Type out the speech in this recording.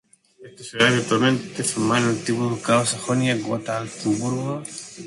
Estas ciudades virtualmente formaban el antiguo ducado de Sajonia-Gotha-Altenburgo.